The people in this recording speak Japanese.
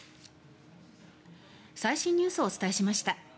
最新ニュースをお伝えしました。